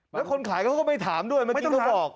แล้วคนขายเขาก็ไม่ถามด้วยมันก็ต้องมาบอก